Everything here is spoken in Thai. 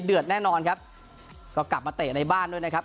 แน่นอนครับก็กลับมาเตะในบ้านด้วยนะครับ